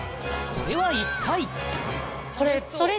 これは一体？